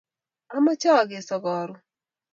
Amache akeso karun